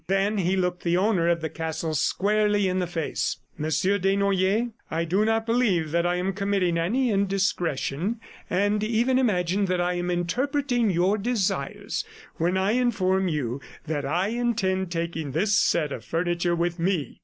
Then he looked the owner of the castle squarely in the face. "Monsieur Desnoyers, I do not believe that I am committing any indiscretion, and even imagine that I am interpreting your desires when I inform you that I intend taking this set of furniture with me.